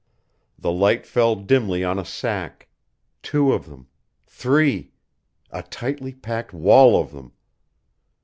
The light fell dimly on a sack two of them three a tightly packed wall of them.